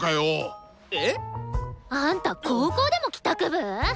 えっ！？あんた高校でも帰宅部！？